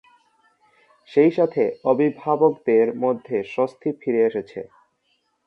সেই সাথে অভিভাবকদের মধ্যে স্বস্তি ফিরে এসেছে।